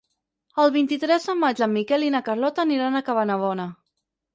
El vint-i-tres de maig en Miquel i na Carlota aniran a Cabanabona.